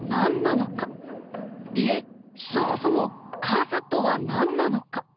いえそもそも「数」とは何なのか？